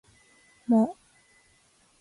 も